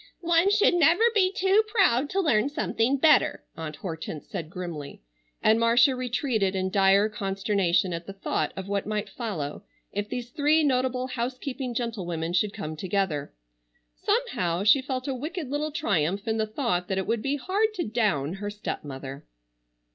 "One should never be too proud to learn something better," Aunt Hortense said grimly, and Marcia retreated in dire consternation at the thought of what might follow if these three notable housekeeping gentlewomen should come together. Somehow she felt a wicked little triumph in the thought that it would be hard to down her stepmother.